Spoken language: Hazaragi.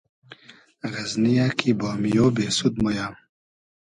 غئزنی یۂ کی بامیۉ , بېسود مۉ یۂ